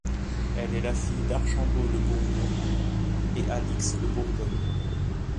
Elle est la fille d'Archambaud de Bourbon et Alix de Bourgogne.